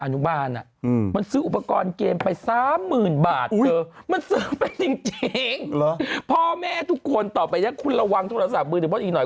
งั้นก็ไอ้๔ขวบนี้ก็ธรรมดาแล้วใช่ไหมนี่